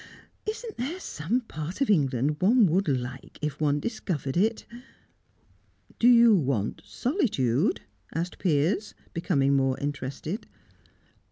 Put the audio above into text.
Isn't there some part of England one would like if one discovered it?" "Do you want solitude?" asked Piers, becoming more interested.